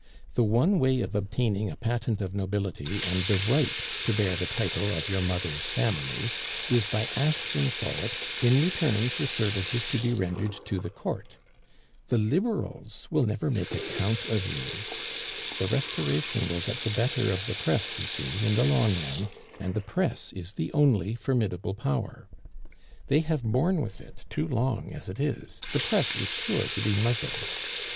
The one way of obtaining a patent of nobility and the right to bear the title of your mother's family, is by asking for it in return for services to be rendered to the Court. The Liberals will never make a count of you. The Restoration will get the better of the press, you see, in the long run, and the press is the only formidable power. They have borne with it too long as it is; the press is sure to be muzzled.